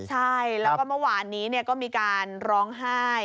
ใช่แล้วก็เมื่อวานนี้ก็มีการร้องไห้